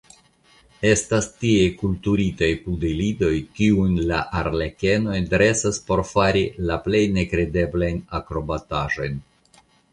Estas tiaj kulturitaj pudelidoj, kiujn la arlekenoj dresas por fari la plej nekredeblajn akrobataĵojn.